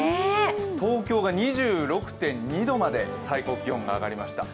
東京が２６．２度まで最高気温が上がりました。